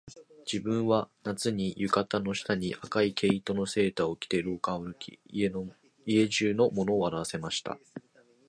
自分は夏に、浴衣の下に赤い毛糸のセーターを着て廊下を歩き、家中の者を笑わせました